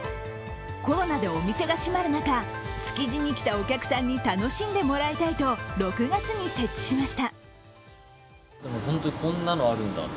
コロナでお店が閉まる中、築地に来たお客さんに楽しんでもらいたいと６月に設置しました。